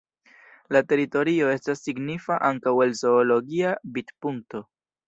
La teritorio estas signifa ankaŭ el zoologia vidpunkto.